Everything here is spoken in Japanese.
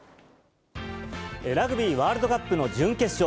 ラグビーワールドカップの準決勝。